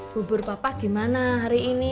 bubur papa gimana hari ini